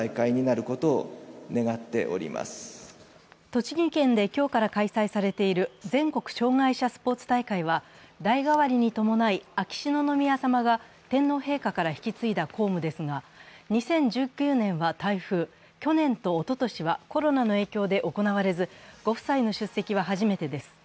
栃木県で今日から開催されている全国障害者スポーツ大会は、代替わりに伴い、秋篠宮さまが天皇陛下から引き継いだ公務ですが２０１９年は台風、去年とおととしはコロナの影響で行われずご夫妻の出席は初めてです。